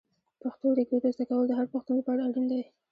پښتو لیکدود زده کول د هر پښتون لپاره اړین دي.